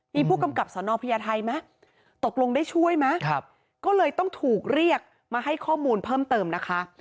มีผู้กำกับสนพญาไทยไหมตกลงได้ช่วยไหมก็เลยต้องถูกเรียกมาให้ข้อมูลเพิ่มเติมนะคะ